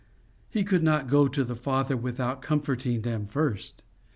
He could not go to the Father without comforting them first.